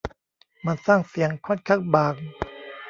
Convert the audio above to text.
มันสร้างเสียงค่อนข้างบาง